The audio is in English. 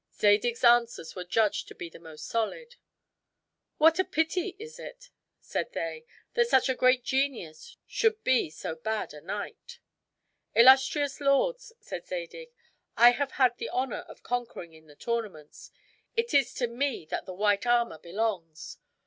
Zadig's answers were judged to be the most solid. "What a pity is it," said they, "that such a great genius should be so bad a knight!" "Illustrious lords," said Zadig, "I have had the honor of conquering in the tournaments. It is to me that the white armor belongs.